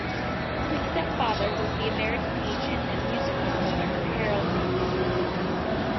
His stepfather was the American agent and music promoter Harold Davison.